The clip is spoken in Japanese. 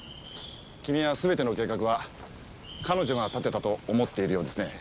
君は全ての計画は彼女が立てたと思っているようですね。